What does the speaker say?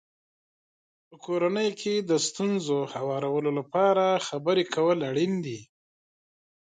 په کورنۍ کې د ستونزو هوارولو لپاره خبرې کول اړین دي.